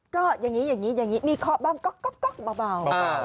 ก็อย่างนี้อย่างนี้อย่างนี้มีข้อบ้างก๊อกก๊อกก๊อกเบา